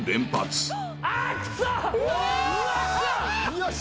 よし。